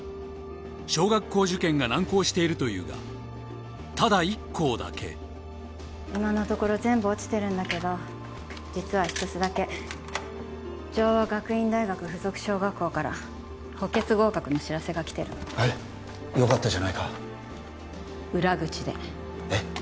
小学校受験が難航しているというがただ１校だけ今のところ全部落ちてるんだけど実は一つだけ城和学院大学附属小学校から補欠合格の知らせがきてるえっ良かったじゃないか裏口でえっ？